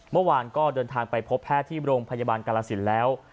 เมื่อวานก็เดินทางไปพบแพทย์ที่โรงพยาบาลกาลสินแล้ว